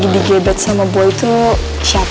lo lo tau gak acaranya boy tuh siapa